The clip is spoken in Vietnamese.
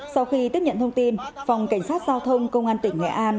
sau khi tiếp nhận thông tin phòng cảnh sát giao thông công an tỉnh nghệ an